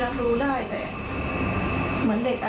อันดับที่สุดท้าย